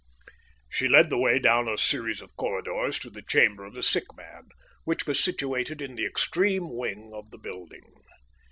She led the way down a series of corridors to the chamber of the sick man, which was situated in the extreme wing of the building.